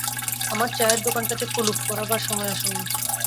আমার চায়ের দোকানটাতে কুলুপ পড়বার সময় আসন্ন।